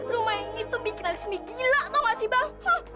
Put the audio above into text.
rumah ini tuh bikin lasmi gila tau gak sih bang